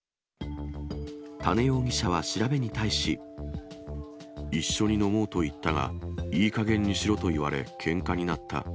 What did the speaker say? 多禰容疑者は調べに対し。一緒に飲もうと言ったが、いいかげんにしろと言われ、けんかになった。